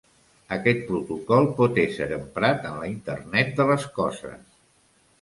Aquest protocol pot ésser emprat en la Internet de les coses.